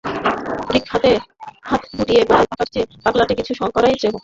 রিক, হাতে-হাত গুটিয়ে বসে থাকার চেয়ে পাগলাটে কিছু করাই শ্রেয়।